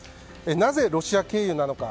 なぜ、ロシア経由なのか。